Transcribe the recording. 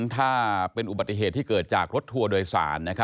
ถ้าเป็นอุบัติเหตุที่เกิดจากรถทัวร์โดยสาร